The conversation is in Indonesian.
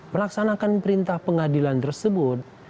melaksanakan perintah pengadilan tersebut